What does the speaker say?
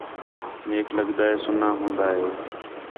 میک لڳدا ہِے سُنّا ہون٘دا ہِے